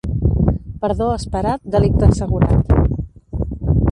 Perdó esperat, delicte assegurat.